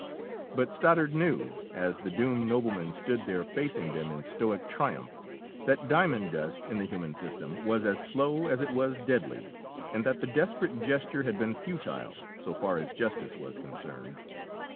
But Stoddard knew, as the doomed nobleman stood there facing them in stoic triumph, that diamond dust in the human system was as slow as it was deadly, and that the desperate gesture had been futile, so far as justice was concerned.